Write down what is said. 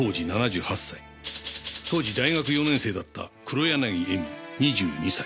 当時大学４年生だった黒柳恵美２２歳。